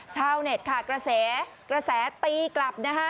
เช่าเน็ตกระแสตีกลับ